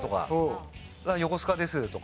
「横須賀です」とか。